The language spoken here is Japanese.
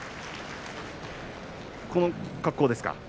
この格好ですね